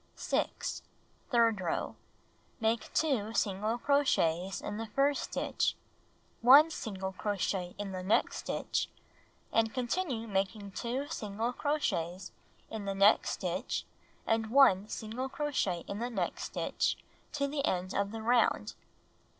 6. Third row: Make 2 single crochets in the first stitch, 1 single crochet in the next stitch, and continue making 2 single ease Doll's Cuocheted Tam crochets in the next stitch and 1 single crochet in the next stitch to the end of the round.